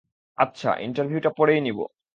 আচ্ছা, ইন্টারভিউটা পরেই নিবো।